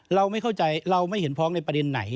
เราไม่เข้าใจเราไม่เห็นพ้องในประเด็นไหน